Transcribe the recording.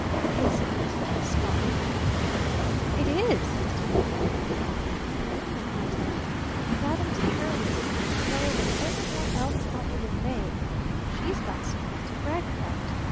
"Is it?" scoffed Barton. "It is!" asserted the Older Man. "The woman, I tell you, who fathoms heroism in the fellow that every one else thought was a knave she's got something to brag about!